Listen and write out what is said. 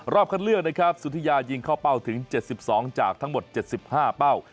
รอบคันเลือกสุธิยายิงเข้าเป้าถึง๗๒จากทั้งหมด๗๕เป้า